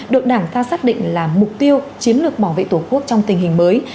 được đảng ta xác định là mục tiêu chiến lược bảo vệ tổ quốc trong tình hình mới